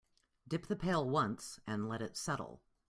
Dip the pail once and let it settle.